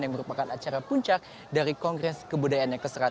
yang merupakan acara puncak dari kongres kebudayaan yang ke seratus